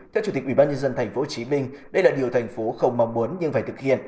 theo chủ tịch ubnd tp hcm đây là điều thành phố không mong muốn nhưng phải thực hiện